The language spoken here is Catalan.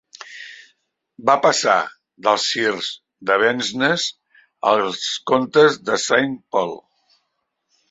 Va passar dels sirs d'Avesnes als comptes de Sain Pol.